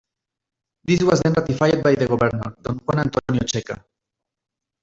This was then ratified by the Governor, D. Juan Antonio Checa.